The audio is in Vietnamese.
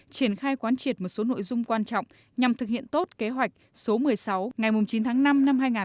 triển khai quán triệt một số nội dung quan trọng nhằm thực hiện tốt kế hoạch số một mươi sáu ngày chín tháng năm năm hai nghìn hai mươi